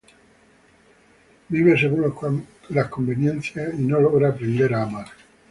Vive según las conveniencias y no logra aprender a amar.